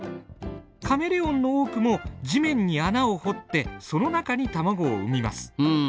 カメレオンの多くも地面に穴を掘ってその中に卵を産みます。